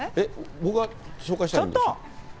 僕が紹介したらいいんですよね。